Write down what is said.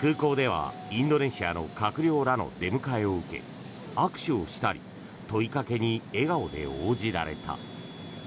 空港ではインドネシアの閣僚らの出迎えを受け握手をしたり問いかけに笑顔で応じられた。